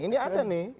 ini ada nih